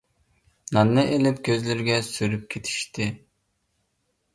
ناننى ئېلىپ كۆزلىرىگە سۈرۈپ كېتىشتى.